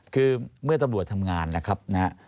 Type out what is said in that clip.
คือเมื่อตำรวจทำงานนะครับนะฮะ